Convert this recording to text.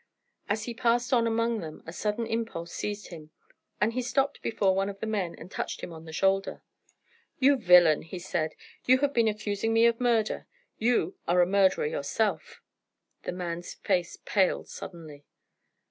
As he passed on among them a sudden impulse seized him, and he stopped before one of the men and touched him on the shoulder. "You villain," he said, "you have been accusing me of murder. You are a murderer yourself." The man's face paled suddenly.